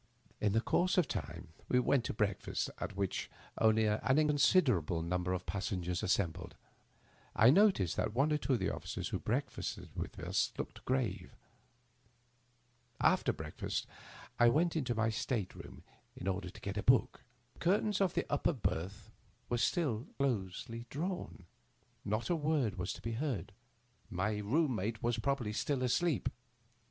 In the conrse of time we went to breakfast, at which only an inconsid erable number of passengers assembled. I noticed that one or two of the officers who breakfasted with us looked grave. After breakfast I went into my state room in order to get a book. The curtains of the upper berth were still closely drawn. Not a word was to be heard. My room mate was probably still asleep.